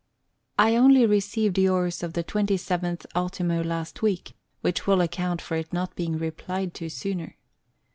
I only received yours of the 27th ult. last week, which will account for it not being replied to sooner.